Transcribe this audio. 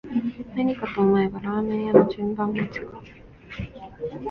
何かと思えばラーメン屋の順番待ちか